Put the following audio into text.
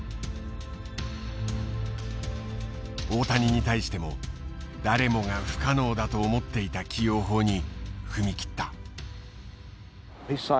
大谷に対しても誰もが不可能だと思っていた起用法に踏み切った。